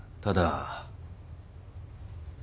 ただ。